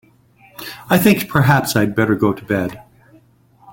I think perhaps I'd better go to bed.